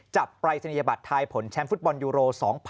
ปรายศนียบัตรทายผลแชมป์ฟุตบอลยูโร๒๐๑๖